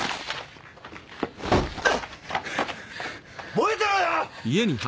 覚えてろよ！